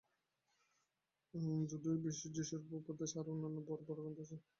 বুদ্ধ ও যীশুর ভক্তিবিষয়ক উপদেশ আরও অন্যান্য বড় বড় গ্রন্থে আছে।